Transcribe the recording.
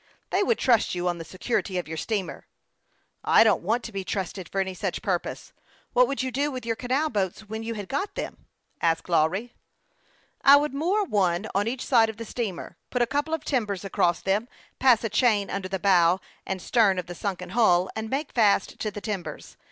" They would trust you on the security of your steamer." " I don't want to be trusted for any such purpose. What would you do with your canal boats when you had got them ?" asked Lawry, who knew perfectly well what plan his brother was about to propose. " I would moor one on each side of the steamer, put a couple of timbers across them, pass a chain under the bow and stern of the sunken hull, and make fast to the timbers.